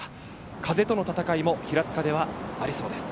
風との戦いも平塚ではありそうです。